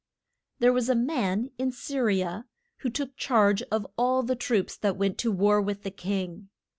There was a man in Sy ri a, who took charge of all the troops that went to war with the king.